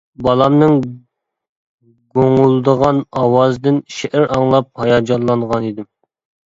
بالامنىڭ گۇڭۇلدىغان ئاۋازىدىن شېئىر ئاڭلاپ ھاياجانلانغانىدىم.